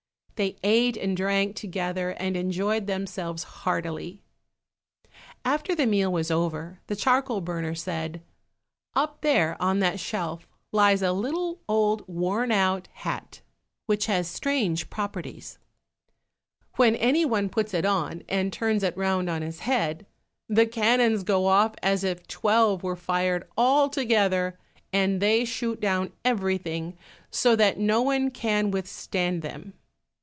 They ate and drank together, and enjoyed themselves heartily. After the meal was over, the charcoal burner said, "Up there on that shelf lies a little old worn out hat which has strange properties: when any one puts it on, and turns it round on his head, the cannons go off as if twelve were fired all together, and they shoot down everything so that no one can withstand them.